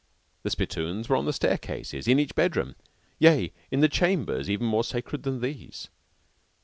The spittoons were on the staircases, in each bedroom yea, and in chambers even more sacred than these.